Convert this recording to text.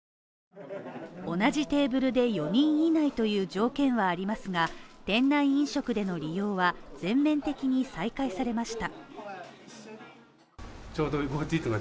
同じテーブルで４人以内という条件はありますが、店内飲食での利用は全面的に再開されました。